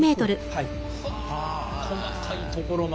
はあ細かいところまで。